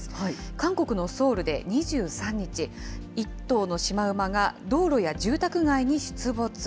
韓国のソウルで２３日、１頭のシマウマが道路や住宅街に出没。